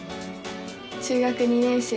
中学２年生。